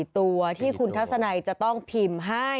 ตัวที่คุณทัศนัยจะต้องพิมพ์ให้